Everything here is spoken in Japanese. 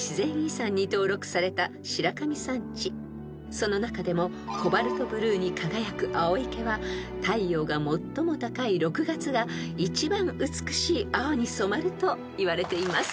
［その中でもコバルトブルーに輝く青池は太陽が最も高い６月が一番美しい青に染まるといわれています］